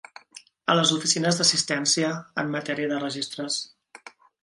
A les oficines d'assistència en matèria de registres.